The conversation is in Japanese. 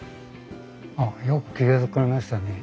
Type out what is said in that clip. ああよく気が付かれましたね。